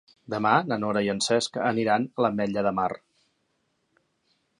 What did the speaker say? Demà na Nora i en Cesc aniran a l'Ametlla de Mar.